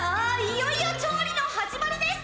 いよいよ調理の始まりです！